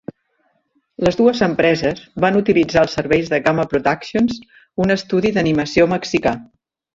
Les dues empreses van utilitzar els serveis de Gamma Productions, un estudi d'animació mexicà.